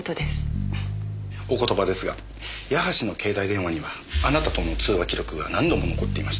お言葉ですが矢橋の携帯電話にはあなたとの通話記録が何度も残っていました。